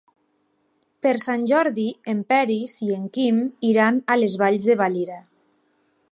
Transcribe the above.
Per Sant Jordi en Peris i en Quim iran a les Valls de Valira.